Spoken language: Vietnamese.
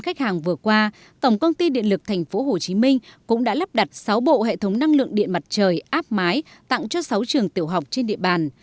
công ty điện lực tp hcm cũng đã lắp đặt sáu bộ hệ thống năng lượng điện mặt trời áp mái tặng cho sáu trường tiểu học trên địa bàn